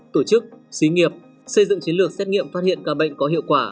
tổ chức xí nghiệp xây dựng chiến lược xét nghiệm phát hiện ca bệnh có hiệu quả